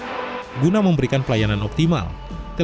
telkomsel juga membuka booth dan showcase di bali collection